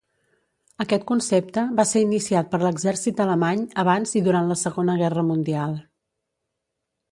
Aquest concepte va ser iniciat per l'exèrcit alemany abans i durant la Segona Guerra Mundial.